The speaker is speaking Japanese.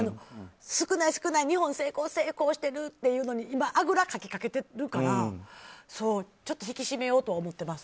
少ない、少ない日本は成功しているというのに今、あぐらかきかけているから引き締めようと思っています。